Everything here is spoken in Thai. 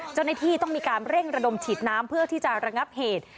เจ้าหน้าที่ต้องมีการเร่งระดมฉีดน้ำเพื่อที่จะระงับเหตุ